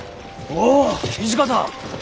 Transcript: おぉ土方！